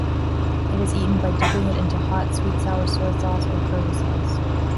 It is eaten by dipping it into hot sweet-sour soy sauce or curry sauce.